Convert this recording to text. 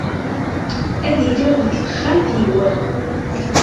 Ad iliɣ deg texxamt-iw.